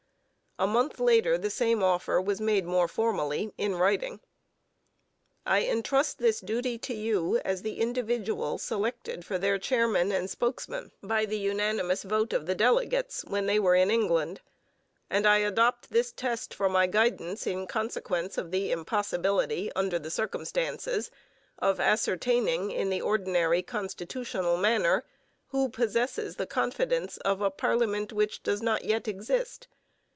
A month later the same offer was made more formally in writing: I entrust this duty to you as the individual selected for their chairman and spokesman by the unanimous vote of the delegates when they were in England, and I adopt this test for my guidance in consequence of the impossibility, under the circumstances, of ascertaining, in the ordinary constitutional manner, who possesses the confidence of a Parliament which does not yet exist.